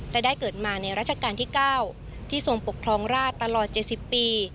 และได้เกิดมาในราชการที่๙ที่ทรงปกครองราชตลอด๗๐ปี